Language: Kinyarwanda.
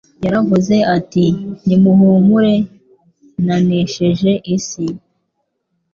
Yaravuze ati :« Ni muhumure nanesheje isi' »